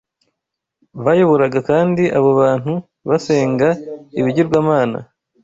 bayoboraga kandi abo bantu basenga ibigirwamana